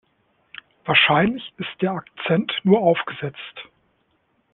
Wahrscheinlich ist der Akzent nur aufgesetzt.